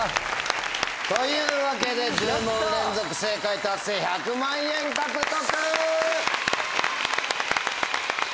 というわけで１０問連続正解達成１００万円獲得！